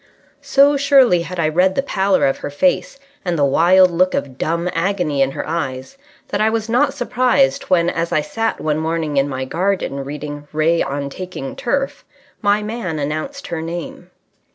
So surely had I read the pallor of her face and the wild look of dumb agony in her eyes that I was not surprised when, as I sat one morning in my garden reading Ray on Taking Turf, my man announced her name.